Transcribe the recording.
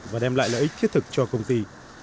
và đem lại lợi ích thiết thực cho công ty